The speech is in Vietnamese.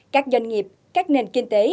các doanh nghiệp các nền kinh tế